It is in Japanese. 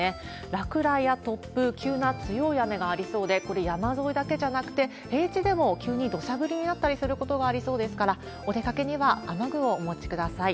落雷や突風、急な強い雨がありそうで、これ、山沿いだけじゃなくて、平地でも急にどしゃ降りになったりすることがありそうですから、お出かけには雨具をお持ちください。